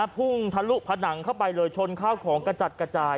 พุ่งทะลุผนังเข้าไปเลยชนข้าวของกระจัดกระจาย